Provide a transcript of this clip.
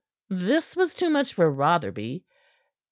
This was too much for Rotherby.